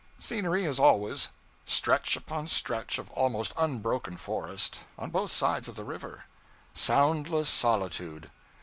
Scenery as always: stretch upon stretch of almost unbroken forest, on both sides of the river; soundless solitude.